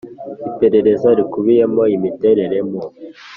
Iperereza rikubiyemo imiterere mu